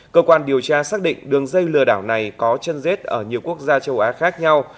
cơ quan điều tra xác định đường dây lừa đảo này có chân rết ở nhiều quốc gia châu á khác nhau